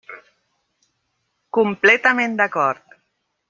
Completament d'acord.